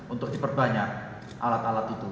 untuk diperbanyak alat alat itu